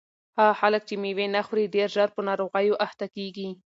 هغه خلک چې مېوې نه خوري ډېر ژر په ناروغیو اخته کیږي.